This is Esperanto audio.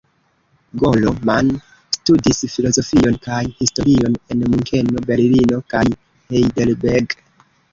Golo Mann studis filozofion kaj historion en Munkeno, Berlino kaj Heidelberg.